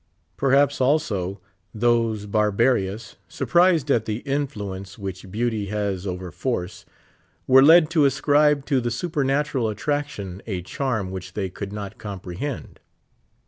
Perliaps, also, those ])arbarians, surprised at the influence which beauty has over force, were led to ascribe to the supernatural attraction a charm which they could not comprehend.